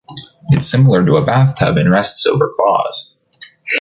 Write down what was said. It’s similar to a bathtub and rests over claws.